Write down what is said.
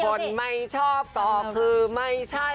คนไม่ชอบก็คือไม่ใช่